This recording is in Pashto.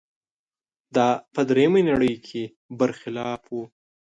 دا په درېیمې نړۍ کې برخلاف و.